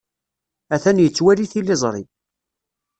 Atan yettwali tiliẓri.